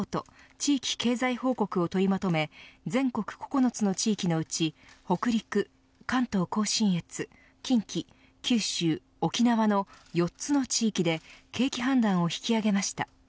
地域経済報告を取りまとめ全国９つの地域のうち北陸、関東、甲信越近畿、九州、沖縄の４つの地域で景気判断を引き揚げました。